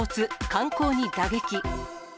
観光に打撃。